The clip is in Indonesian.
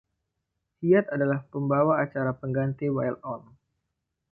Hiatt adalah pembawa acara pengganti Wild On!